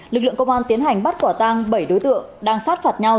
lực lượng công an tiến hành bắt quả tang bảy đối tượng đang sát phạt nhau